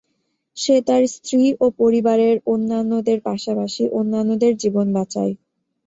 সে তার স্ত্রী ও পরিবারের অন্যান্যদের পাশাপাশি অন্যান্যদের জীবন বাঁচায়।